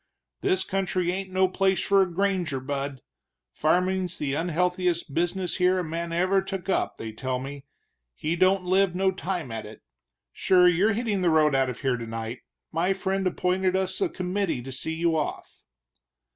"This country ain't no place for a granger, bud; farmin's the unhealthiest business here a man ever took up, they tell me, he don't live no time at it. Sure, you're hittin' the road out of here tonight my friend appointed us a committee to see you off."